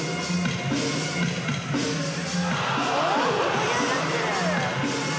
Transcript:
盛り上がってる！